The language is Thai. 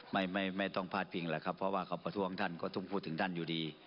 ไม่ต้องพาดพิงแล้วครับเพราะว่าเขาประท้วงท่านก็ต้องพูดถึงท่านอยู่ดี